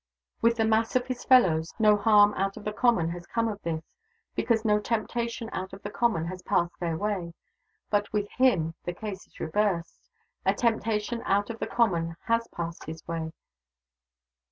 With the mass of his fellows, no harm out of the common has come of this, because no temptation out of the common has passed their way. But with him, the case is reversed. A temptation out of the common has passed his way.